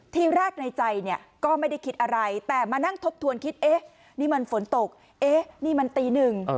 ทีแรกในใจเนี่ยก็ไม่ได้คิดอะไรแต่มานั่งทบทวนคิดเอ๊ะนี่มันฝนตกเอ๊ะนี่มันตีหนึ่ง